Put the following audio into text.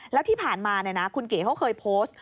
แล้วที่ผ่านมาคุณเก๋เขาเคยโพสต์